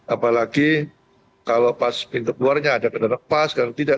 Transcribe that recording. apalagi kalau pas pintu keluarnya ada kendaraan pas kalau tidak